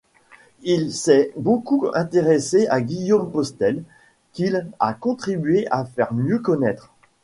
Il s'est beaucoup intéressé à Guillaume Postel qu’il a contribué à faire mieux connaître.